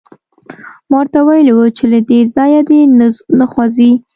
ما ورته ویلي وو چې له دې ځایه دې نه خوځي